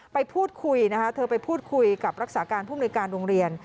ไปพูดคุยนะคะเธอไปพูดคุยกับรักษาการผู้มนุยการโรงเรียน